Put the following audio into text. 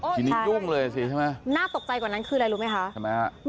ทีนี้ยุ่งเลยสิใช่ไหมใช่ไหมใช่น่าตกใจกว่านั้นคืออะไรรู้ไหมคะใช่ไหม